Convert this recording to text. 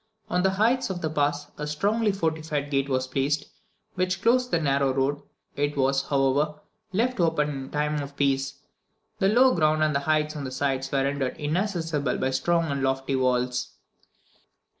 On the heights of the pass, a strongly fortified gate was placed, which closed the narrow road; it was, however, left open in time of peace. The low ground and the heights on the sides were rendered inaccessible by strong and lofty walls.